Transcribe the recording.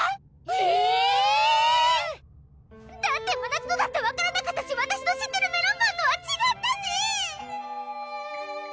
えぇ⁉だってまなつのだって分からなかったしわたしの知ってるメロンパンとはちがったし！